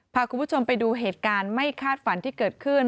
พาคุณผู้ชมไปดูเหตุการณ์ไม่คาดฝันที่เกิดขึ้น